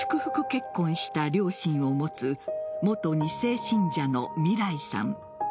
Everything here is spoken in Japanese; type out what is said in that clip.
結婚した両親を持つ元２世信者のみらいさん。